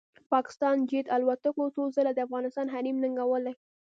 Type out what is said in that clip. پاکستاني جېټ الوتکو څو ځله د افغانستان حریم ننګولی